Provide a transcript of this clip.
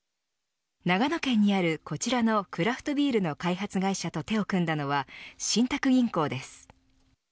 長野県にある、こちらのクラフトビールの開発会社と手を組んだのは信託銀行です。